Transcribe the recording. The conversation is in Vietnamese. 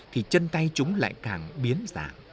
thì chân tay chúng lại càng biến dạng